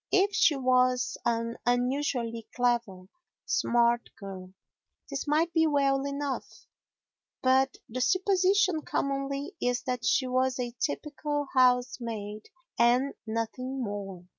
If she was an unusually clever, smart girl, this might be well enough, but the supposition commonly is that she was a typical housemaid and nothing more.